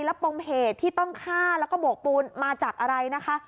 แล้วปมเหตุที่ต้องฆ่าแล้วก็โบกปูนมาจากอะไรนะคะ